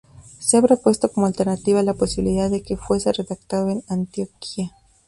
Se ha propuesto como alternativa la posibilidad de que fuese redactado en Antioquía.